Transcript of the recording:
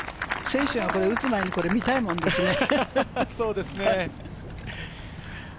選手はこれ、打つ前に見たいものですね。